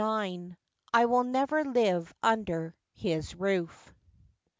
* I WILL NEVER LITE UNDER HIS ROOF.'